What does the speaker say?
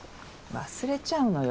忘れちゃうのよ